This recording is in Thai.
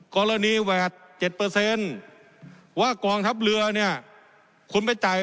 กรณีแวดเจ็ดเตอร์เซ็นต์ว่ากองทัพเหลือเนี้ยคุณไปจ่าย